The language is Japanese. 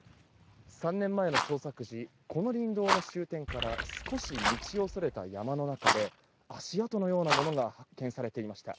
３年前の捜索時この林道の終点から少し道をそれた山の中で足跡のようなものが発見されていました。